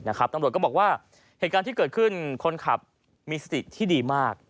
ตำรวจก็บอกว่าเหตุการณ์ที่เกิดขึ้นคนขับมีสติที่ดีมาก